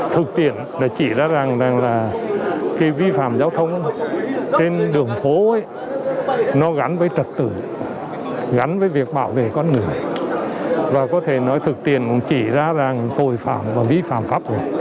thực tiện là chỉ ra rằng là cái vi phạm giao thông trên đường phố nó gắn với trật tự gắn với việc bảo vệ con người và có thể nói thực tiền cũng chỉ ra rằng tội phạm và vi phạm pháp luật